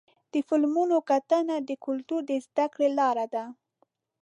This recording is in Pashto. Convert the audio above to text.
د فلمونو کتنه د کلتور د زدهکړې لاره ده.